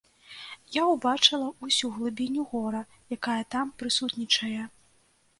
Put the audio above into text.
Я ўбачыла ўсю глыбіню гора, якая там прысутнічае.